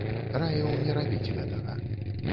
Раіў не рабіць гэтага.